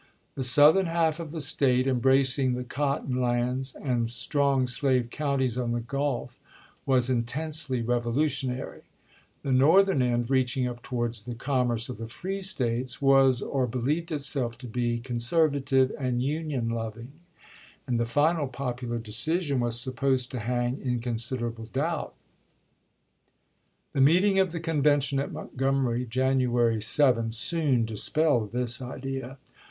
The southern half of the State, embracing the cotton lands and strong slave counties on the Gulf, was intensely revolutionary ; the northern end, reaching up towards the com merce of the free States, was, or believed itself to be, conservative and union loving ; and the final popular decision was supposed to hang in consider able doubt. The meeting of the convention at Montgomery, i86i. January 7, soon dispelled this idea.